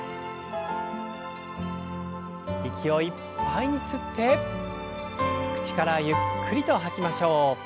息をいっぱいに吸って口からゆっくりと吐きましょう。